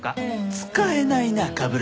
使えないな冠城亘。